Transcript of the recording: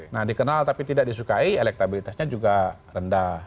nah dikenal tapi tidak disukai elektabilitasnya juga rendah